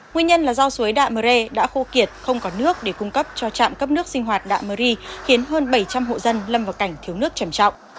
nguyên nhân là do suối đạm mưu ri đã khô kiệt không có nước để cung cấp cho trạm cấp nước sinh hoạt đạm mưu ri khiến hơn bảy trăm linh hộ dân lâm vào cảnh thiếu nước chẩm trọng